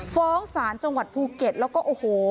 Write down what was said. ฟ้องศาลจังหวัดภูเก็ตแล้วก็โอ้โห